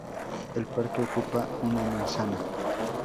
El parque ocupa una manzana.